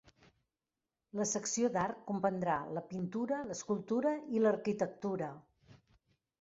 La secció d'art comprendrà la pintura, l'escultura i l'arquitectura.